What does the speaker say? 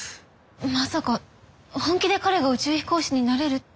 まさか本気で彼が宇宙飛行士になれるって。